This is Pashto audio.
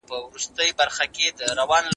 د موسمي ناروغیو پر مهال احتیاط وکړئ.